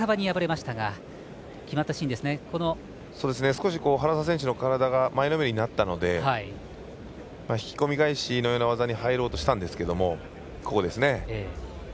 少し原沢選手の体が前のめりになったので引き込み返しのような技に入ろうとしたんですけど。